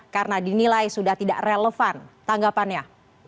karena dinilai sudah tidak relevan tanggapannya